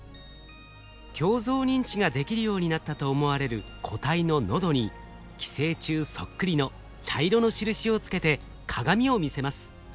鏡像認知ができるようになったと思われる個体の喉に寄生虫そっくりの茶色の印をつけて鏡を見せます。